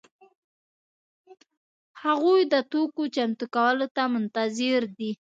هغوی د توکو چمتو کولو ته منتظر دي.